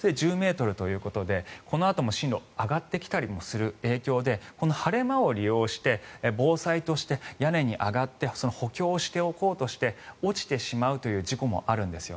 １０ｍということでこのあとも進路上がってきたりもする影響でこの晴れ間を利用して防災として屋根に上がって補強をしておこうとして落ちてしまう事故もあるんです。